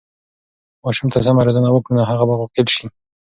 که ماشوم ته سمه روزنه وکړو، نو هغه به عاقل سي.